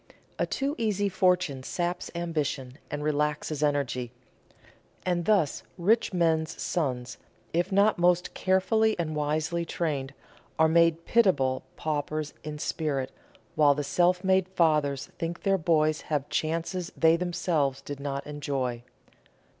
A too easy fortune saps ambition and relaxes energy; and thus rich men's sons, if not most carefully and wisely trained, are made pitiable paupers in spirit, while the self made fathers think their boys have chances they themselves did not enjoy.